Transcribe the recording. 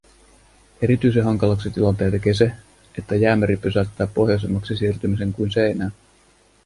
Erityisen hankalaksi tilanteen tekee se, että Jäämeri pysäyttää pohjoisemmaksi siirtymisen kuin seinään.